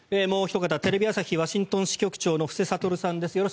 もうおひと方テレビ朝日ワシントン支局長の布施哲さんです。